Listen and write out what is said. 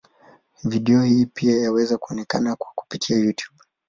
Video hii pia yaweza kuonekana kwa kupitia Youtube.